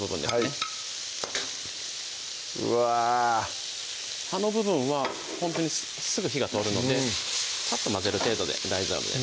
はいうわ葉の部分はほんとにすぐ火が通るのでさっと混ぜる程度で大丈夫です